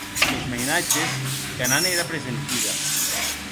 Es mainatges que n'an era presentida.